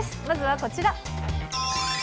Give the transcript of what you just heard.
まずはこちら。